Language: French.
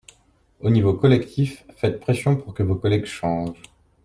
Au niveau collectif, faites pression pour que vos collègues changent